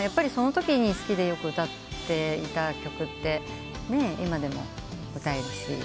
やっぱりそのときに好きでよく歌っていた曲って今でも歌えるし。